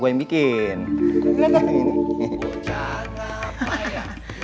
gua mau makanan